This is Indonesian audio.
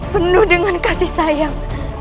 penuh dengan kasih sayang